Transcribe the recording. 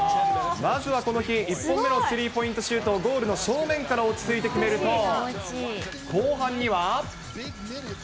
まずはこの日、１本目のスリーポイントシュートを、ゴールの正面から落ち着いて決めると、後半には。